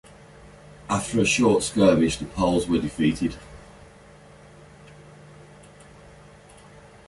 After a short skirmish, the Poles were defeated.